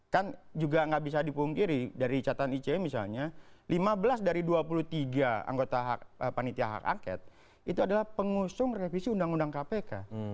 kan juga nggak bisa dipungkiri dari catatan ic misalnya lima belas dari dua puluh tiga anggota panitia hak angket itu adalah pengusung revisi undang undang kpk